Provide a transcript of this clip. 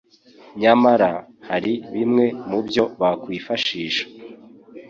nyamara hari bimwe mu byo bakwifashisha